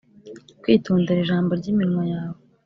”” Kwitondera ijambo ry’iminwa yawe